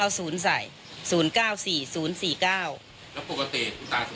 เลขทะเบียนรถจากรยานยนต์